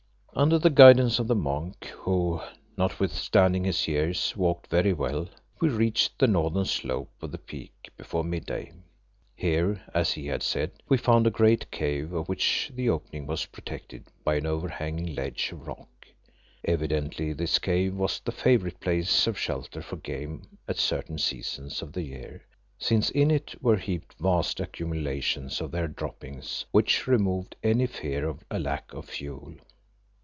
Under the guidance of the monk, who, notwithstanding his years, walked very well, we reached the northern slope of the peak before mid day. Here, as he had said, we found a great cave of which the opening was protected by an over hanging ledge of rock. Evidently this cave was the favourite place of shelter for game at certain seasons of the year, since in it were heaped vast accumulations of their droppings, which removed any fear of a lack of fuel.